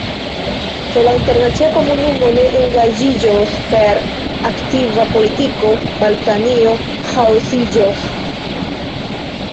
Se la internacia komunumo ne engaĝiĝos per aktiva politiko, Balkanio ĥaosiĝos.